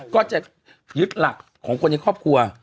ก็จะยึดหลักของคนในครอบครัว